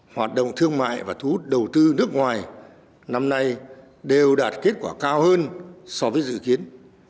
hoạt động thương mại và thu hút đầu tư nước ngoài năm nay đều đạt kết quả cao hơn so với dự kiến